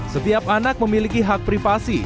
setiap anak memiliki hak privasi